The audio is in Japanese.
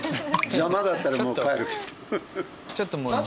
邪魔だったらもう帰るけど。